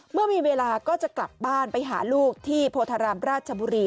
เมื่อมีเวลาก็จะกลับบ้านไปหาลูกที่โพธารามราชบุรี